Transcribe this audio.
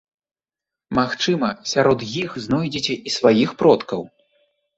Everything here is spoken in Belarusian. Магчыма, сярод іх знойдзеце і сваіх продкаў.